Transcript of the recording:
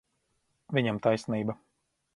Viņam taisnība.